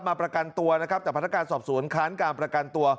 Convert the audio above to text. ประกันตัวนะครับแต่พนักการสอบสวนค้านการประกันตัว